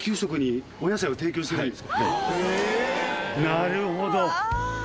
なるほど！